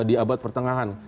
di abad pertengahan